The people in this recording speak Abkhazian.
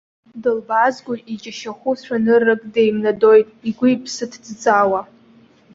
Дылбаазго, иџьашьахәу цәаныррак деимнадоит, игәы-иԥсы ҭӡыӡаауа.